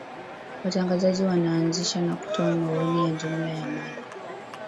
watangazaji wanaanzisha na kutoa maoni ya jumla ya mada